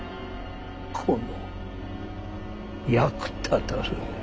この役立たずめ。